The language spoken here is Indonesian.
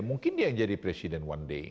mungkin dia yang jadi presiden one day